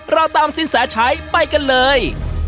เราตามสิ้นสาธารณ์ไปกันเลย